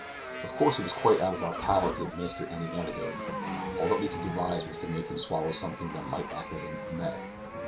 Of course it was quite out of our power to administer any antidote; all that we could devise was to make him swallow something that might act as an emetic.